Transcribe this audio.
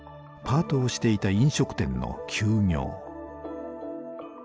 パートをしていた飲食店の休業。